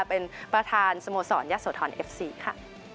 เป็นประธานสโมสรยะโสธรเอฟซีค่ะ